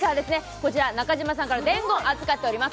こちら中島さんから伝言預かっております。